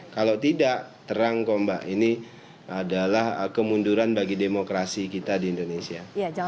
kalau tidak terang kok mbak ini adalah kemunduran bagi demokrasi kita di indonesia